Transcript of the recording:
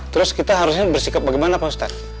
terus kita harusnya bersikap bagaimana pak ustadz